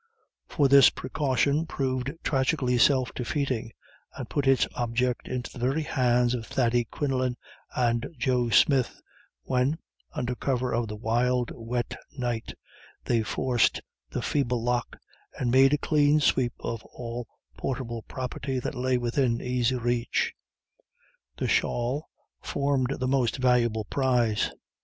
For this precaution proved tragically self defeating, and put its object into the very hands of Thady Quinlan and Joe Smith, when, under cover of the wild, wet night, they forced the feeble lock, and made a clean sweep of all portable property that lay within easy reach. The shawl formed the most valuable prize.